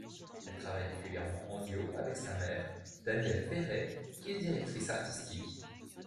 Elle travaille régulièrement en duo avec sa mère, Danielle Perret, qui est directrice artistique.